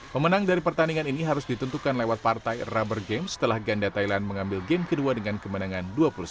pemenang dari pertandingan ini harus ditentukan lewat partai rubber game setelah ganda thailand mengambil game kedua dengan kemenangan dua puluh satu sembilan belas